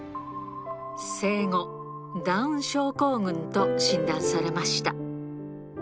生後、ダウン症候群と診断されました。